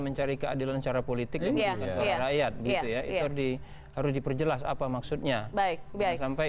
mencari keadilan secara politik ya rakyat ya itu di harus diperjelas apa maksudnya baik baik sampai